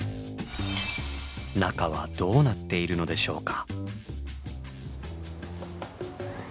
中はどうなっているのでしょうか？